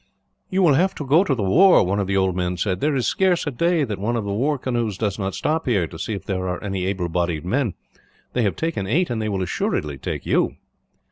"You will have to go to the war," one of the old men said. "There is scarce a day that one of the war canoes does not stop here, to see if there are any able bodied men. They have taken eight, and they will assuredly take you."